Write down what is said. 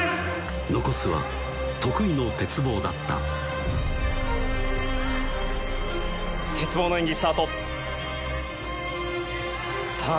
残すは得意の鉄棒だった鉄棒の演技スタートさあ